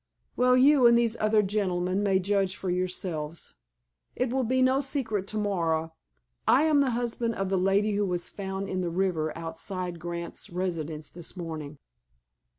"Well, you and these other gentlemen may judge for yourselves. It will be no secret tomorrow. I am the husband of the lady who was found in the river outside Mr. Grant's residence this morning."